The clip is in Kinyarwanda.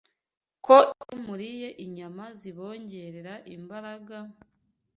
ko iyo muriye inyama zibongerera imbaraga,